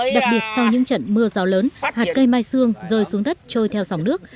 đặc biệt sau những trận mưa rào lớn hạt cây mai dương rơi xuống đất trôi theo sóng nước